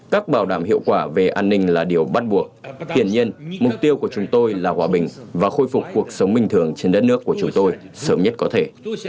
các bảo đảm hiệu quả về an ninh là điều bắt buộc hiển nhiên mục tiêu của chúng tôi là hòa bình và khôi phục cuộc sống bình thường trên đất nước của chúng tôi sớm nhất có thể